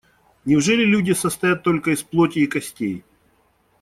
Неужели люди состоят только из плоти и костей?